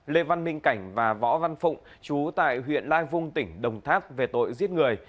lê văn minh cảnh và võ văn phụng chú tại huyện lai vung tỉnh đồng tháp về tội giết người